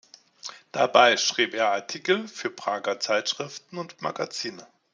Dabei schrieb er Artikel für Prager Zeitschriften und Magazine.